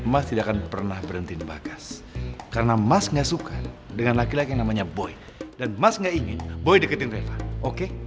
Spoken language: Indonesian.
emas tidak akan pernah berhenti membagas karena mas gak suka dengan laki laki yang namanya boy dan mas nggak ingin boy deketin reva oke